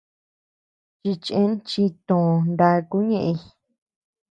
Chichen chitöo nakuu ñeʼëñ.